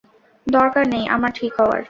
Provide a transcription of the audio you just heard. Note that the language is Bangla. দরকার নেই আমার ঠিক হওয়ার।